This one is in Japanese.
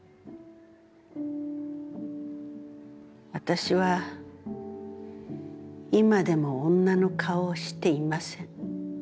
私は今でも、女の顔をしていません。